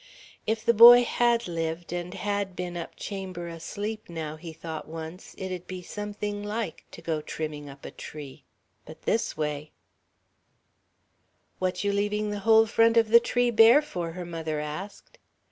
"If the boy had lived and had been up chamber asleep now," he thought once, "it'd be something like, to go trimming up a tree. But this way " "What you leaving the whole front of the tree bare for?" her mother asked.